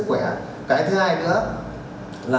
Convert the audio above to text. cái thứ hai nữa là trong quá trình tổ chức hành quân